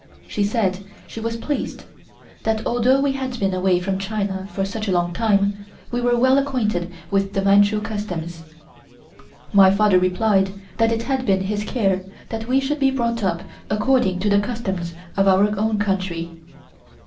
She said she was pleased, that although we had been away from China for such a long time, we were well acquainted with the Manchu customs. My father replied that it had been his care that we should be brought up according to the customs of our own country.